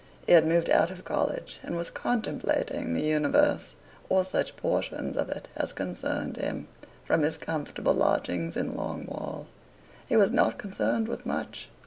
He had moved out of college, and was contemplating the Universe, or such portions of it as concerned him, from his comfortable lodgings in Long Wall. He was not concerned with much.